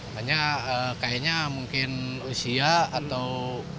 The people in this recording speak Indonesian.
hanya kayaknya mungkin usia atau